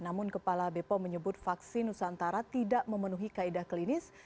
namun kepala bepom menyebut vaksin nusantara tidak memenuhi kaedah klinis